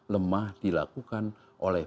lemah dilakukan oleh